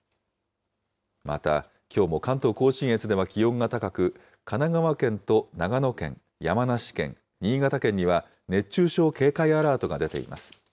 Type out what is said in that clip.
またきょうも関東甲信越では気温が高く、神奈川県と長野県、山梨県、新潟県には、熱中症警戒アラートが出ています。